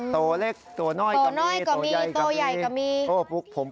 ตัวเล็กตัวน้อยกังมีตัวใหญ่กังมี